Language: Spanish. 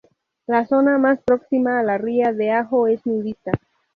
La zona más próxima a la ría de Ajo es nudista.